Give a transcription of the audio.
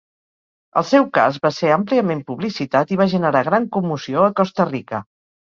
El seu cas va ser àmpliament publicitat i va generar gran commoció a Costa Rica.